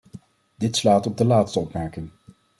Dit slaat op de laatste opmerking.